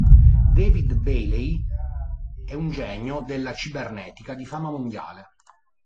David Bailey è un genio della cibernetica di fama mondiale.